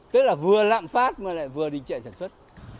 tức là vừa lạm phát mà lại vừa đình trệ sản xuất